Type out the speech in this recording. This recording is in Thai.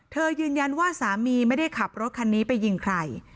ยืนยันว่าสามีไม่ได้ขับรถคันนี้ไปยิงใคร